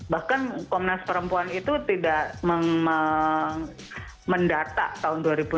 bahkan komnas perempuan itu tidak mendata tahun dua ribu dua puluh